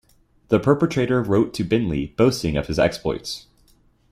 The perpetrator wrote to Binley boasting of his exploits.